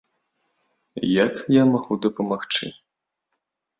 Як я магу дапамагчы?